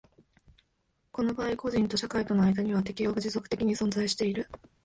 この場合個人と社会との間には適応が持続的に存在している。